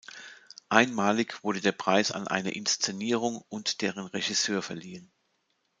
Einmalig wurde der Preis an eine Inszenierung und deren Regisseur verliehen.